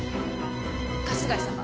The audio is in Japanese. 春日井様。